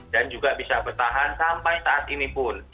dan juga bisa bertahan sampai saat ini pun